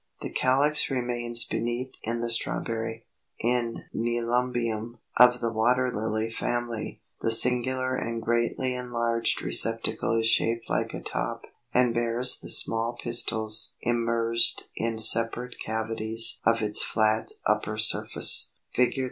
The calyx remains beneath in the strawberry. 326. In Nelumbium, of the Water Lily family, the singular and greatly enlarged receptacle is shaped like a top, and bears the small pistils immersed in separate cavities of its flat upper surface (Fig.